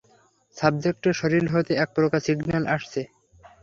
সাবজেক্টের শরীর হতে একপ্রকার সিগন্যাল আসছে!